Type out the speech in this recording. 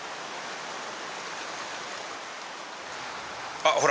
あっほら。